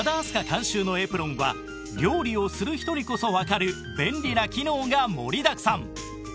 監修のエプロンは料理をする人にこそわかる便利な機能が盛りだくさん！